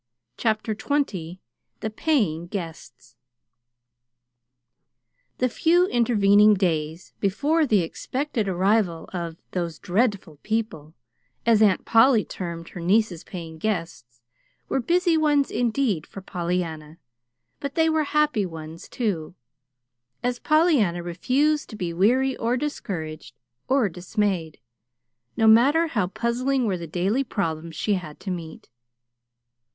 CHAPTER XX THE PAYING GUESTS The few intervening days before the expected arrival of "those dreadful people," as Aunt Polly termed her niece's paying guests, were busy ones indeed for Pollyanna but they were happy ones, too, as Pollyanna refused to be weary, or discouraged, or dismayed, no matter how puzzling were the daily problems she had to meet.